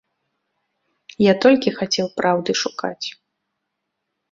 Я толькі хацеў праўды шукаць.